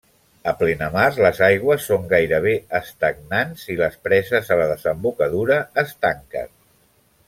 A plenamar les aigües són gairebé estagnants i les preses a la desembocadura es tanquen.